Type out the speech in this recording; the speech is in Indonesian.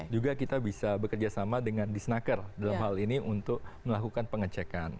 juga kita bisa bekerja sama dengan disnaker dalam hal ini untuk melakukan pengecekan